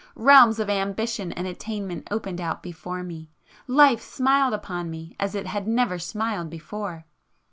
—realms of ambition and attainment opened out before me,—life smiled upon me as it had never smiled before.